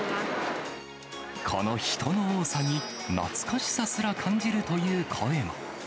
この人の多さに、懐かしさすら感じるという声も。